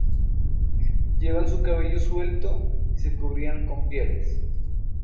Llevaban su cabello suelto y se cubrían con pieles.